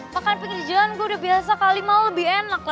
makan pinggi di jalan gue udah biasa kali mau lebih enak